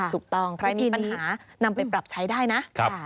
ถูกต้องใครมีปัญหานำไปปรับใช้ได้นะ